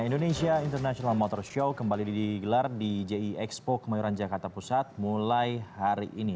indonesia international motor show kembali digelar di jie expo kemayoran jakarta pusat mulai hari ini